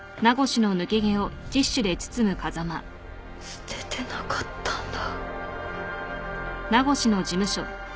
捨ててなかったんだ。